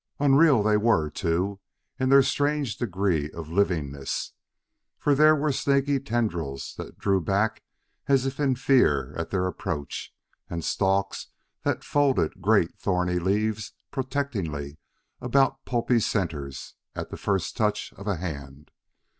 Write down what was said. Unreal they were, too, in their strange degree of livingness, for there were snaky tendrils that drew back as if in fear at their approach and stalks that folded great, thorny leaves protectingly about pulpy centers at the first touch of a hand.